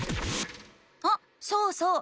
あそうそう！